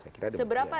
saya kira demikian